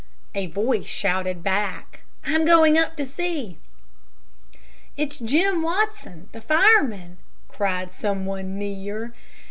A voice shouted back, "I'm going up to see." "It's Jim Watson, the fireman," cried some one near.